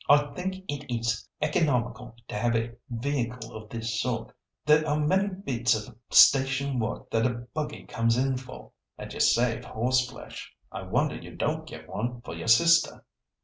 I think it is economical to have a vehicle of this sort. There are many bits of station work that a buggy comes in for, and you save horseflesh. I wonder you don't get one for your sister."